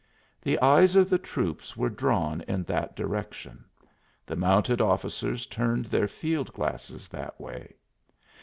The eyes of the troops were drawn in that direction; the mounted officers turned their field glasses that way.